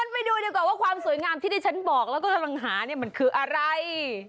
ไปดูดีกว่าความสวยงามชีวิตก็จะเป็นอะไร